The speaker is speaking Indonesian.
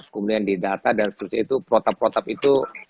kemudian di data dan seterusnya itu protap protap itu